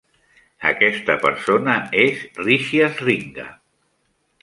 Aquesta persona és Rishyasringa.